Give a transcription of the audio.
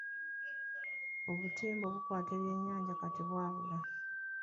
Obutimba obukwata ebyennyanja kati bwa bbula.